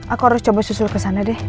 aku harus coba susul kesana deh